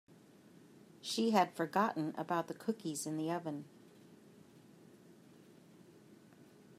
She had forgotten about the cookies in the oven.